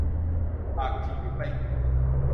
ปากฉีกถึงใบหู